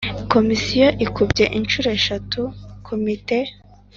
Komisiyo ikubye inshuro eshatu komite.